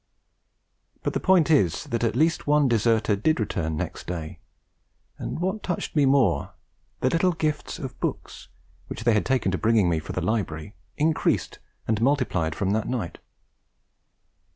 But the point is that at least one deserter did return next day; and what touched me more, the little gifts of books, which they had taken to bringing me for the library, increased and multiplied from that night.